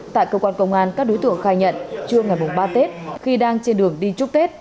tại cơ quan công an các đối tượng khai nhận trưa ngày ba tết khi đang trên đường đi chúc tết